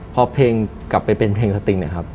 พอเพลงกลับไปเป็นเพลงสติงเนี่ยครับ